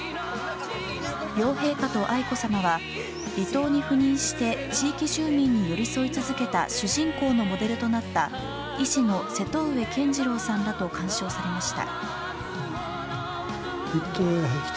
両陛下と愛子さまは離島に赴任して地域住民に寄り添い続けた主人公のモデルとなった医師の瀬戸上健二郎さんらと鑑賞されました。